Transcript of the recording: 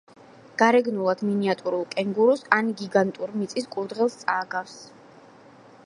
გარეგნულად მინიატურულ კენგურუს ან გიგანტურ მიწის კურდღელს წააგავს.